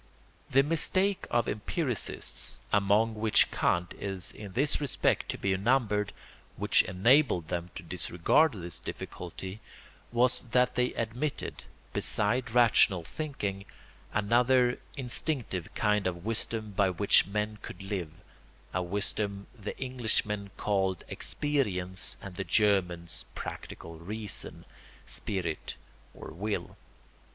The mistake of empiricists—among which Kant is in this respect to be numbered—which enabled them to disregard this difficulty, was that they admitted, beside rational thinking, another instinctive kind of wisdom by which men could live, a wisdom the Englishmen called experience and the Germans practical reason, spirit, or will.